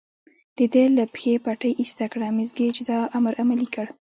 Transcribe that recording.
د ده له پښې پټۍ ایسته کړه، مس ګېج دا امر عملي کړ.